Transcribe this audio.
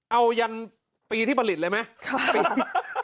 เอายันปีที่ผลิตเลยไหม